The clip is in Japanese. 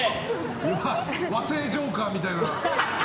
和製ジョーカーみたいな。